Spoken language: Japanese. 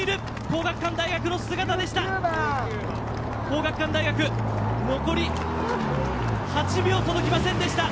皇學館大学の姿でした。